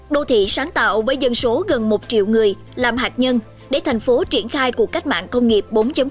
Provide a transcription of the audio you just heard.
đô thị sáng tạo với dân số gần một triệu người làm hạt nhân để thành phố triển khai cuộc cách mạng công nghiệp bốn